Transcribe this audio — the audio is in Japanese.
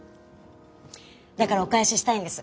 だからお返ししたいんです。